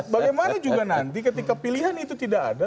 bagaimana juga nanti ketika pilihan itu tidak ada